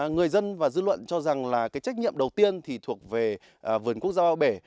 người dân và dư luận cho rằng là trách nhiệm đầu tiên thuộc về vườn quốc gia ba bể